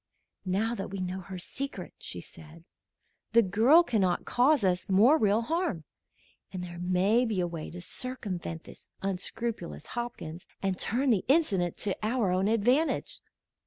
"Now that we know her secret," she said, "the girl cannot cause us more real harm, and there may be a way to circumvent this unscrupulous Hopkins and turn the incident to our own advantage.